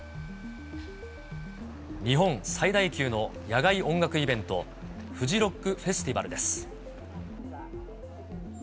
日本最大級の野外音楽イベント、フジロックフェスティバルです。